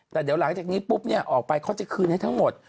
แต่เดี๋ยวหลังจากนี้ปุ๊บเนี่ยออกไปเขาจะคืนให้ทั้งหมด